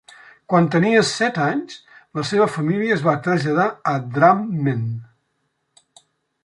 Quan tenia set anys, la seva família es va traslladar a Drammen.